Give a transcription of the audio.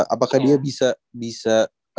apakah dia bisa bisa